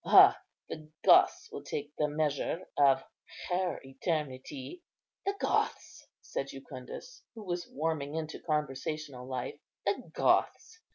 Ah, the Goths will take the measure of her eternity!" "The Goths!" said Jucundus, who was warming into conversational life, "the Goths!